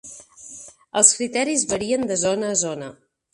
Els criteris varien de zona a zona.